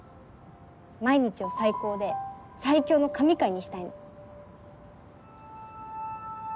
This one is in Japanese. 毎日を最高で最強の神回にしたいの。